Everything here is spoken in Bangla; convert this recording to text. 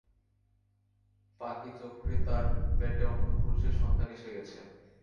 পাকেচক্রে তার পেটে অন্য পুরুষের সন্তান এসে গেছে।